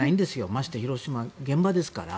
まして広島は現場ですから。